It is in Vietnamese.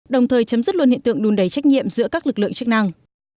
đồng thời chấm dứt luôn hiện tượng đùn đầy trách nhiệm giữa các lực lượng chức năng